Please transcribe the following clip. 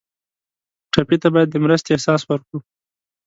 ټپي ته باید د مرستې احساس ورکړو.